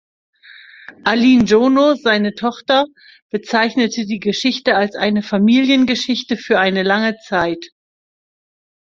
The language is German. Aline Giono, seine Tochter, bezeichnete die Geschichte als „eine Familiengeschichte für eine lange Zeit“.